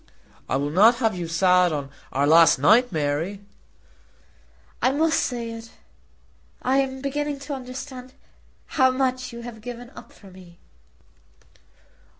"I will not have you sad on our last night, Mary." "I must say it. I am beginning to understand how much you have given up for me."